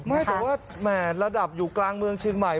ไม่แต่ว่าแหม่ระดับอยู่กลางเมืองเชียงใหม่